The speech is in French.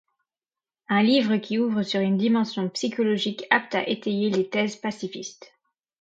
Un livre qui ouvre sur une dimension psychologique apte à étayer les thèses pacifistes.